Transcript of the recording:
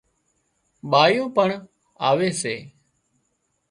ٻايُون پڻ آوي سي